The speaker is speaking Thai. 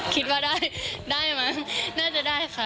คิดว่าได้ได้ไหมน่าจะได้ค่ะ